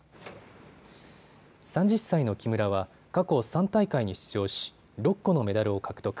３０歳の木村は過去３大会に出場し６個のメダルを獲得。